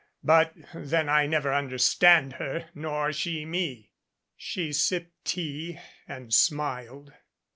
But then I never understand her nor she me." She sipped tea and smiled.